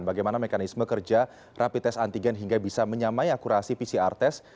bagaimana mekanisme kerja rapi tes antigen hingga bisa menyamai akurasi pcr test